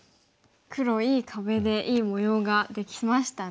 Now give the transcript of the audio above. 黒いい壁でいい模様ができましたね。